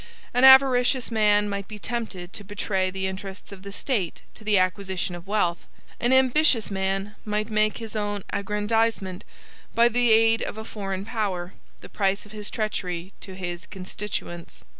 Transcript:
An avaricious man might be tempted to betray the interests of the state to the acquisition of wealth. An ambitious man might make his own aggrandizement, by the aid of a foreign power, the price of his treachery to his constituents.